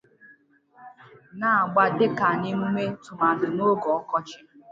a na-agba dịka n’emume tụmadụ n’oge ọkọchi